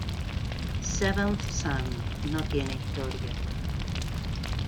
Seventh son... no tiene historia.